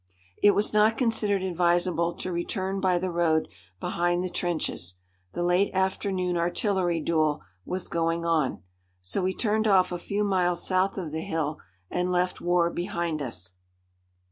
It was not considered advisable to return by the road behind the trenches. The late afternoon artillery duel was going on. So we turned off a few miles south of the hill and left war behind us.